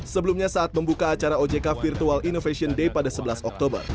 sebelumnya saat membuka acara ojk virtual international